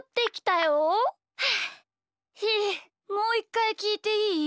はあひーもういっかいきいていい？